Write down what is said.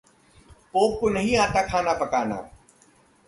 Pope को नहीं आता खाना पकाना!